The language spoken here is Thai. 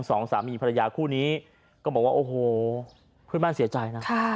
สองสามีภรรยาคู่นี้ก็บอกว่าโอ้โหเพื่อนบ้านเสียใจนะ